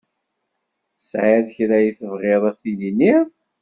Tesɛiḍ kra i tebɣiḍ ad d-tiniḍ?